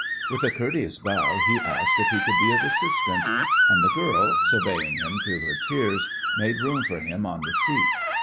With a courteous bow he asked if he could be of assistance, and the girl, surveying him through her tears, made room for him on the seat.